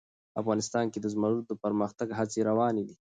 افغانستان کې د زمرد د پرمختګ هڅې روانې دي.